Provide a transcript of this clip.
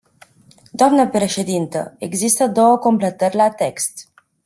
Doamnă președintă, există două completări la text.